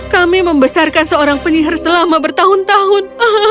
kami membesarkan seorang penyihir selama bertahun tahun